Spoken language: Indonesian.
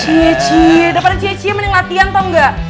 cie cie daripada cie cie mending latihan tau gak